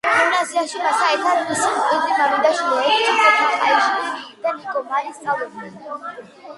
გიმნაზიაში მასთან ერთად, მისი მკვიდრი მამიდაშვილი, ექვთიმე თაყაიშვილი და ნიკო მარი სწავლობდნენ.